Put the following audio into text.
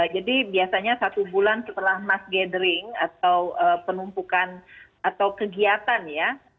jadi biasanya satu bulan setelah mass gathering atau penumpukan atau kegiatan ya